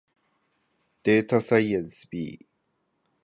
データサイエンス B